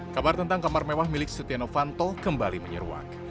kabar tentang kamar mewah milik setia novanto kembali menyeruak